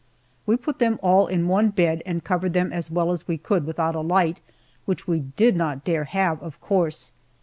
We put them all in one bed and covered them as well as we could without a light, which we did not dare have, of course.